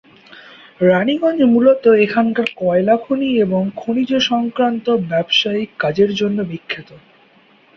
রাণীগঞ্জ মূলত এখানকার কয়লা খনি এবং খনিজ সংক্রান্ত ব্যবসায়িক কাজের জন্য বিখ্যাত।